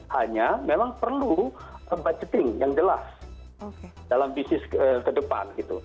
hanya memang perlu budgeting yang jelas dalam bisnis ke depan